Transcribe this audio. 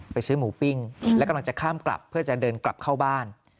ซื้อหมูปิ้งและกำลังจะข้ามกลับเพื่อจะเดินกลับเข้าบ้าน